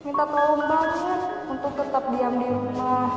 minta tolong banget untuk tetap diam di rumah